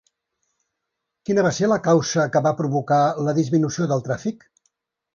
Quina va ser la causa que va provocar la disminució del tràfic?